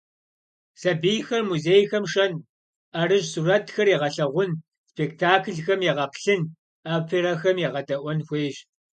Сэбийхэр музейхэм шэн, ӏэрыщӏ сурэтхэр егъэлъэгъун, спектаклхэм егъэплъын, оперэхэм егъэдаӏуэн хуейщ.